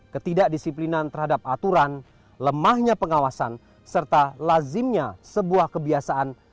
ketidakdisiplinan terhadap aturan lemahnya pengawasan serta lazimnya sebuah kebiasaan